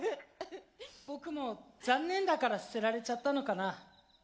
僕もざんねんだから捨てられちゃったのかな。